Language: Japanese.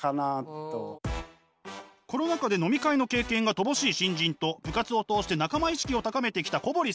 コロナ禍で飲み会の経験が乏しい新人と部活を通して仲間意識を高めてきた小堀さん。